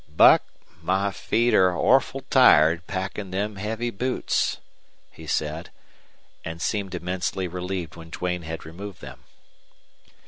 "Buck, my feet are orful tired packin' them heavy boots," he said, and seemed immensely relieved when Duane had removed them.